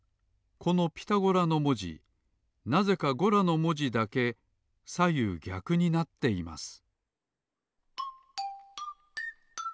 この「ピタゴラ」のもじなぜか「ゴラ」のもじだけさゆうぎゃくになっています